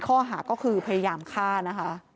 ข้อหาก็คือพยายามฆ่านะคะ